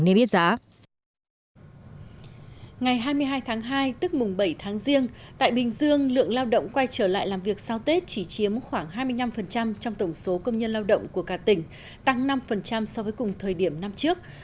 ngày hai mươi hai tháng hai tức mùng bảy tháng riêng tại bình dương lượng lao động quay trở lại làm việc sau tết chỉ chiếm khoảng hai mươi năm trong tổng số công nhân lao động của cả tỉnh tăng năm so với cùng thời điểm năm trước